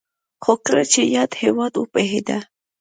خو کله چې یاد هېواد وپوهېده